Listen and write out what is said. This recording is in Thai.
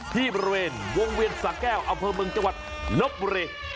ที่ประเภทวงวิทย์สะแก้วอเภอเมืองจังหวัดลบบุรี